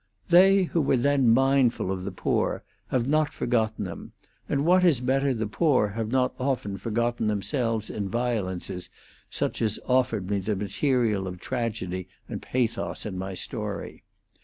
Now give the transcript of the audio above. They who were then mindful of the poor have not forgotten them, and what is better the poor have not often forgotten themselves in violences such as offered me the material of tragedy and pathos in my story.